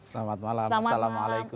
selamat malam assalamualaikum